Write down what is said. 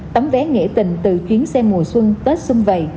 tấm vé nghĩa tình từ chuyến xe mùa xuân tết xuân về